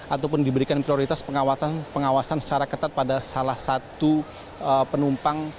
ataupun diberikan prioritas pengawasan secara ketat pada salah satu penumpang